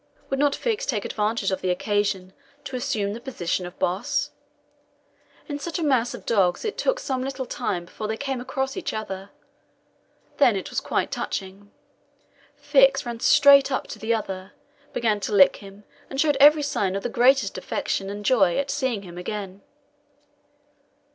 Would not Fix take advantage of the occasion to assume the position of boss? In such a mass of dogs it took some little time before they came across each other. Then it was quite touching. Fix ran straight up to the other, began to lick him, and showed every sign of the greatest affection and joy at seeing him again.